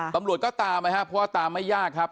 ตำรวจก็ตามนะครับเพราะว่าตามไม่ยากครับ